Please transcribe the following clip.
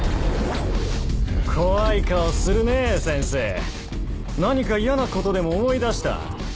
怖い顔するねえ先生何かイヤなことでも思い出した？